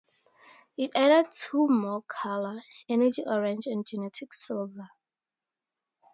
It added two more color, Energy Orange and Genetic Silver.